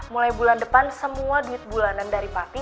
mulai bulan depan semua duit bulanan dari pati